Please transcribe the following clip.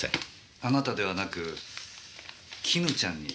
あなたではなく絹ちゃんに。